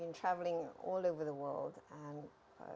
jika kita menjaga kehidupan yang menurut anda